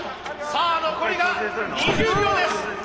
さあ残りが２０秒です！